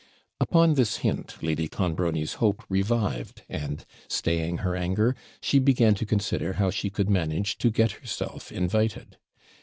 Upon this hint, Lady Clonbrony's hope revived; and, staying her anger, she began to consider how she could manage to get herself invited.